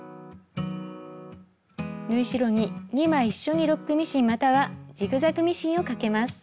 縫い代に２枚一緒にロックミシンまたはジグザグミシンをかけます。